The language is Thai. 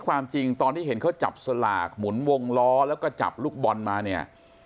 ความจริงตอนที่เห็นเขาจับสลากหมุนวงล้อแล้วก็จับลูกบอลมาเนี่ย